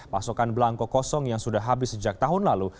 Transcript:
pasokan belangko kosong yang sudah habis sejak tahun lalu